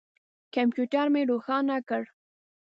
کمپیوټر مې روښانه کړ.